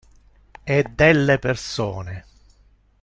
E delle persone.